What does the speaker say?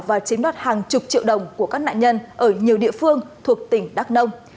và chiếm đoạt hàng chục triệu đồng của các nạn nhân ở nhiều địa phương thuộc tỉnh đắk nông